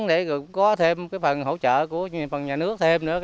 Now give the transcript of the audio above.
để có thêm phần hỗ trợ của nhà nước thêm nữa